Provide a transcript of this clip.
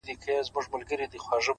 چاته يادي سي كيسې په خـامـوشۍ كــي ـ